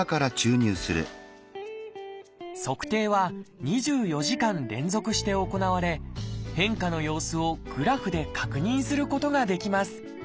測定は２４時間連続して行われ変化の様子をグラフで確認することができます。